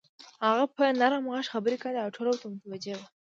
هغه په نرم غږ خبرې کولې او ټول ورته متوجه وو.